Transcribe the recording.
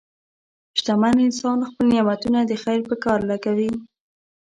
شتمن انسان خپل نعمتونه د خیر په کار لګوي.